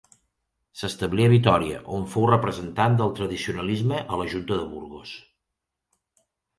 S'establí a Vitòria, on fou representant del tradicionalisme a la Junta de Burgos.